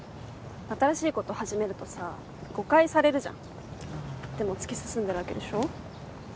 新しいこと始めるとさ誤解されるじゃんでも突き進んでるわけでしょ？